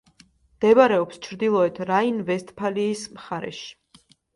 მდებარეობს ჩრდილოეთ რაინ-ვესტფალიის მხარეში.